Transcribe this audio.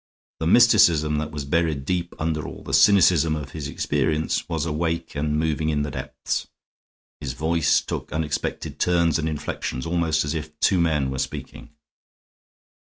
The mysticism that was buried deep under all the cynicism of his experience was awake and moving in the depths. His voice took unexpected turns and inflections, almost as if two men were speaking.